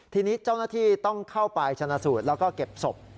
ทีนี้เจ้าหน้าที่ต้องเข้าไปชนะสูตรแล้วก็เก็บศพ